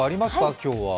今日は。